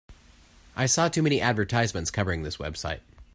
I saw too many advertisements covering this website.